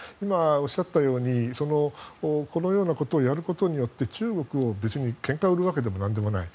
ただ、このようなことをやることによって中国を別にけんかを売るわけでも何でもない。